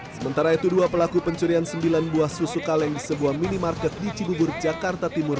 sementara itu dua pelaku pencurian sembilan buah susu kaleng sebuah minimarket di cibubur jakarta timur